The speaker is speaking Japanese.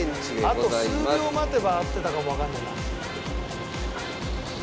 あと数秒待てば合ってたかもわかんないな。